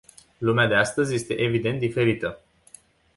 Lumea de astăzi este, evident, diferită.